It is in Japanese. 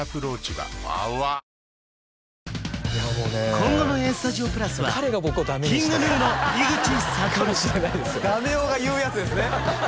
今後の「ＡＳＴＵＤＩＯ＋」はＫｉｎｇＧｎｕの井口理ダメ男が言うやつですね